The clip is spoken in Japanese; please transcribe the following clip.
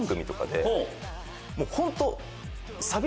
もうホント。